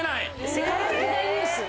世界的大ニュース。